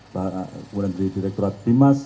kemudian dari direkturat timas